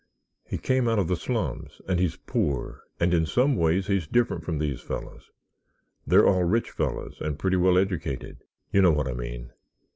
He came out of the slums and he's poor and in some ways he's different from these fellows. They're all rich fellows and pretty well educated—you know what I mean.